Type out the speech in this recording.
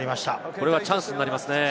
これはチャンスになりますね。